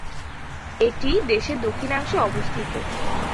এটি দেশের দক্ষিণাংশে অবস্থিত।